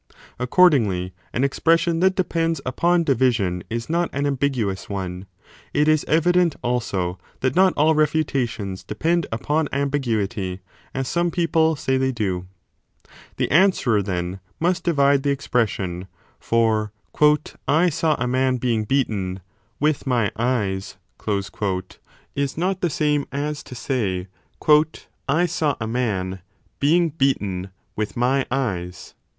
Accordingly an expression that depends upon division is not an ambiguous one. It is evident also that not all refutations depend upon ambiguity as some people say they do. The answerer, then, must divide the expression: for I 10 saw a man being beaten with my eyes is not the same as to say I saw a man being beaten with my eyes